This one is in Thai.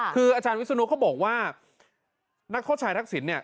คืออาจารย์วิศนุเขาบอกว่านักโทษชายทักษิณเนี่ย